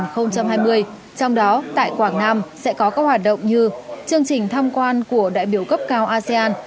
trong đó tại quảng nam sẽ có các hoạt động như chương trình tham quan của đại biểu cấp cao asean